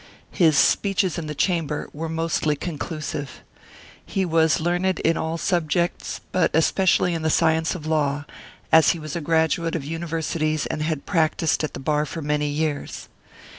His speeches in the Chamber were mostly conclusive. He was learned in all subjects, but especially in the science of law 7 , as he was a graduate of universities and had practised at the Bar for many years.